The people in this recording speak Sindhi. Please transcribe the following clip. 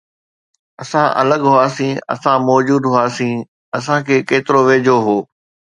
اسان الڳ هئاسين، اسان موجود هئاسين، اسان کي ڪيترو ويجهو هو